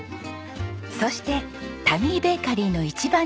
そしてタミーベーカリーの一番人気がこちら。